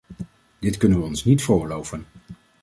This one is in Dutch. Dit kunnen we ons niet veroorloven.